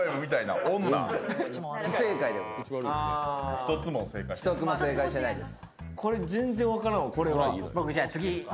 １つも正解してないです。